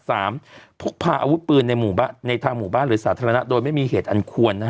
พกพาอาวุธปืนในหมู่บ้านในทางหมู่บ้านหรือสาธารณะโดยไม่มีเหตุอันควรนะฮะ